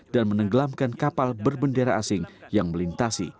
dan menenggelamkan kapal berbendera asing yang melintasi